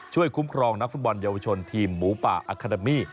คุ้มครองนักฟุตบอลเยาวชนทีมหมูป่าอาคาเดมี่